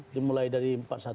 dimulai dari empat ratus dua belas